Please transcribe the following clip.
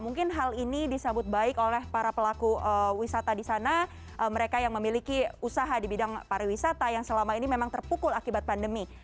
mungkin hal ini disambut baik oleh para pelaku wisata di sana mereka yang memiliki usaha di bidang pariwisata yang selama ini memang terpukul akibat pandemi